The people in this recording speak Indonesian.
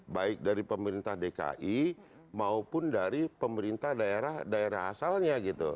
baik dari pemerintah dki maupun dari pemerintah daerah daerah asalnya gitu